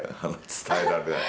伝えられない。